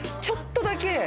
ちょっとだけ。